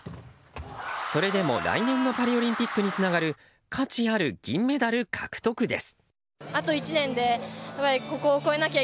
それでも来年のパリオリンピックにつながる価値ある銀メダル獲得です。